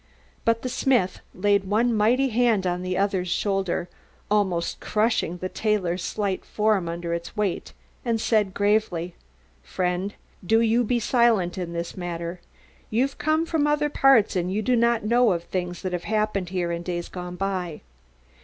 But the smith laid one mighty hand on the other's shoulder, almost crushing the tailor's slight form under its weight, and said gravely: "Friend, do you be silent in this matter. You've come from other parts and you do not know of things that have happened here in days gone by.